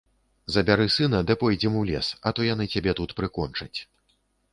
Забяры сына ды пойдзем у лес, а то яны цябе тут прыкончаць.